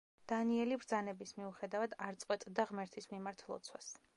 დანიელი ბრძანების მიუხედავად, არ წყვეტდა ღმერთის მიმართ ლოცვას.